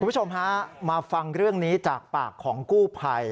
คุณผู้ชมฮะมาฟังเรื่องนี้จากปากของกู้ภัย